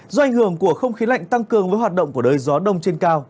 do ảnh hưởng của không khí lạnh tăng cường với hoạt động của đới gió đông trên cao